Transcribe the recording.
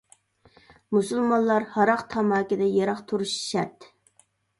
مۇسۇلمانلار ھاراق، تاماكىدىن يىراق تۇرۇشى شەرت.